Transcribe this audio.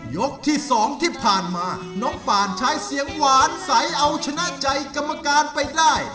ยกที่๒ที่ผ่านมาน้องป่านใช้เสียงหวานใสเอาชนะใจกรรมการไปได้